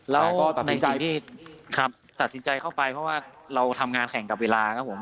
แล้วก็ในใจที่ตัดสินใจเข้าไปเพราะว่าเราทำงานแข่งกับเวลาครับผม